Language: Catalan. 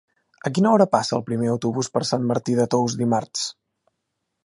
A quina hora passa el primer autobús per Sant Martí de Tous dimarts?